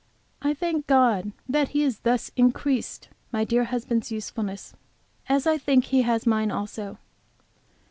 I thank God that He has thus increased my dear husband's usefulness as I think that He has mine also.